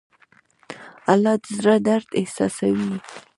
الله د زړه درد احساسوي.